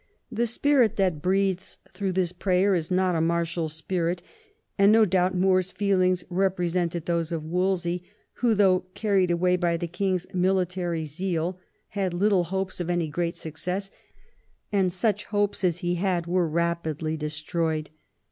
The spirit that breathes through this prayer is not a martial spirit, and no doubt More's feelings represented those of Wolsey, who, though carried away by the king's military zeal, had little hopes of any great success, and such hopes as he had were rapidly de stroyed.